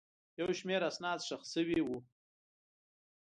یو شمېر اسناد ښخ شوي وو.